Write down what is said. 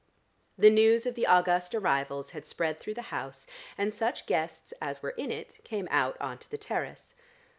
The news of the august arrivals had spread through the house, and such guests as were in it came out on to the terrace.